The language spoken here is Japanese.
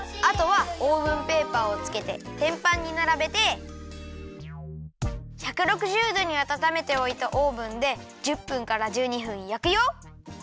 あとはオーブンペーパーをつけててんぱんにならべて１６０どにあたためておいたオーブンで１０分から１２分やくよ。